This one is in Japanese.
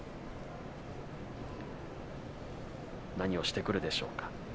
何をしてくるでしょうか。